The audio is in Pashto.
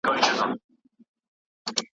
که روغتون وي نو امید نه پرې کیږي.